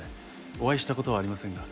お会いした事はありませんが。